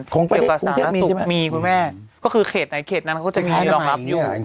คงไปกรุงเทพมีใช่ไหมคุณแม่ก็คือเขตไหนเขตนั้นเขาจะมีรองรับอยู่